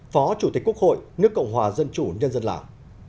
phó chủ tịch quốc hội nước cộng hòa dân chủ nhân dân lào